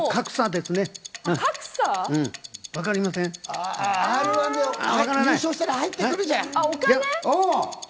Ｒ−１で優勝したら入ってくるじゃん。